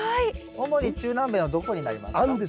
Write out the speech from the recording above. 主に中南米のどこになりますか？